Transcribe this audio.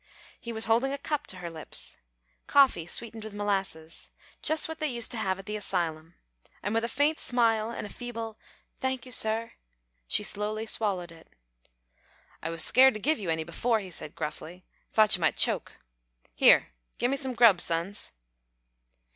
He was holding a cup to her lips coffee sweetened with molasses. Just what they used to have at the asylum, and with a faint smile, and a feeble "Thank you, sir," she slowly swallowed it. "I was scared to give you any before," he said, gruffly; "thought you might choke. Here, gimme some grub, sons."